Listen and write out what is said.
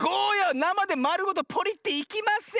なまでまるごとポリッていきません！